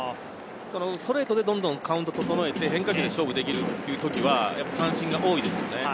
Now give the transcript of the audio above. ストレートでどんどんカウントをととのえて、変化球で勝負できる時は三振が多いですね。